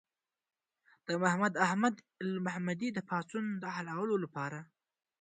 د محمد احمد المهدي د پاڅون د حلولو لپاره.